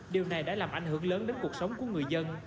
điều này đã làm ảnh hưởng lớn đến cuộc sống của người dân